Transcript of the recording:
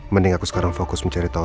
mending aku sekarang fokus mencari tahu